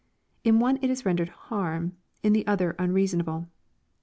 In one it is rendered '* harm ;"— in the other '* un reasonable."